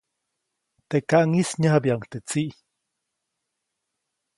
Te kaʼŋis nyäjabyaʼuŋ teʼ tsiʼ.